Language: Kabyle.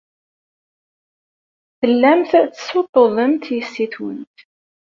Tellamt tessuṭṭuḍemt yessi-twent.